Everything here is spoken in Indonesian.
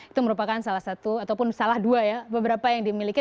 itu merupakan salah satu ataupun salah dua ya beberapa yang dimiliki